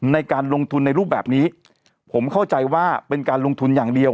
ในการลงทุนในรูปแบบนี้ผมเข้าใจว่าเป็นการลงทุนอย่างเดียว